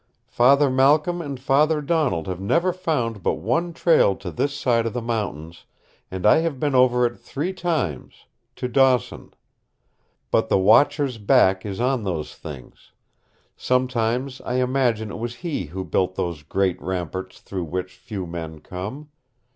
Father Malcolm and father Donald have never found but one trail to this side of the mountains, and I have been over it three times to Dawson. But the Watcher's back is on those things. Sometimes I imagine it was he who built those great ramparts through which few men come.